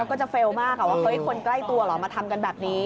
ก็จะเฟลล์มากว่าเฮ้ยคนใกล้ตัวเหรอมาทำกันแบบนี้